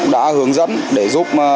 đã hướng dẫn để giúp